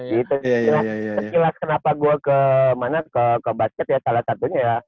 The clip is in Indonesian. sekilas kenapa gue ke basket ya salah satunya ya